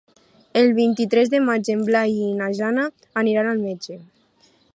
El vint-i-tres de maig en Blai i na Jana aniran al metge.